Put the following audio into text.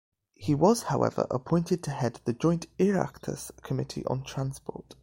He was, however, appointed to head the joint Oireachtas committee on Transport.